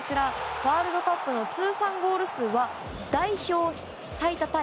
ワールドカップの通算ゴール数は代表最多タイ。